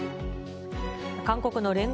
韓国の聯合